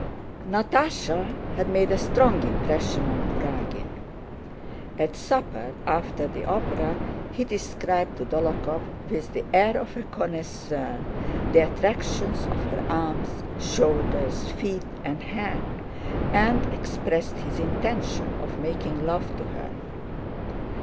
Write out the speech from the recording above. Natásha had made a strong impression on Kurágin. At supper after the opera he described to Dólokhov with the air of a connoisseur the attractions of her arms, shoulders, feet, and hair and expressed his intention of making love to her.